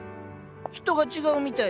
人が違うみたい。